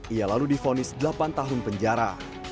ia lalu difonis delapan tahun penjara